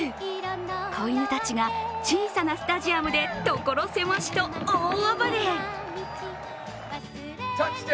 子犬たちが小さなスタジアムで所狭しと大暴れ。